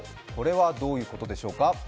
これはどういうことでしょうか。